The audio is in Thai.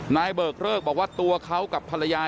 นายเบอร์เกอร์เกอร์เกอร์บอกว่าตัวเขากับภรรยา